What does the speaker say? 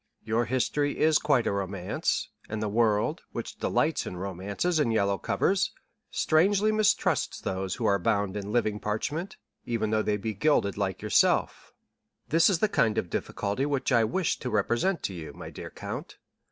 Your history is quite a romance, and the world, which delights in romances in yellow covers, strangely mistrusts those which are bound in living parchment, even though they be gilded like yourself. This is the kind of difficulty which I wished to represent to you, my dear count.